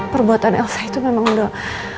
perbuatan elsa itu memang doa